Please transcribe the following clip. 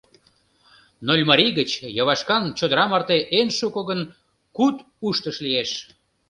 Нольмарий гыч Йывашкан чодыра марте эн шуко гын куд уштыш лиеш.